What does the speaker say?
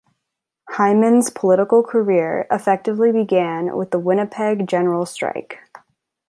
Hyman's political career effectively began with the Winnipeg General Strike.